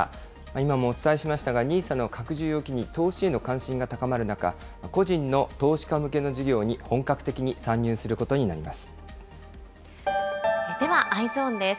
今もお伝えしましたが、ＮＩＳＡの拡充を機に、投資への関心が高まる中、個人の投資家向けの事業に本格的に参入することになりまではＥｙｅｓｏｎです。